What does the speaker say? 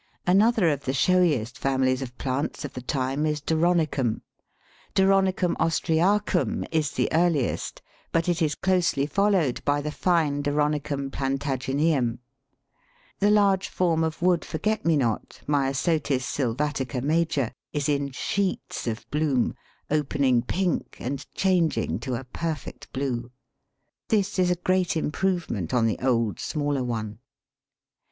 Another of the showiest families of plants of the time is Doronicum. D. Austriacum is the earliest, but it is closely followed by the fine D. Plantagineum. The large form of wood Forget me not (Myosotis sylvatica major) is in sheets of bloom, opening pink and changing to a perfect blue. This is a great improvement on the old smaller one.